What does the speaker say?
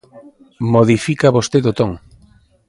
Modifica vostede o ton.